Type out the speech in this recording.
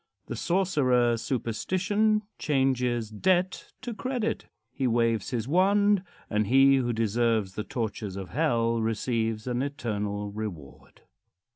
The sorcerer Superstition changes debt to credit. He waves his wand, and he who deserves the tortures of hell receives an eternal reward.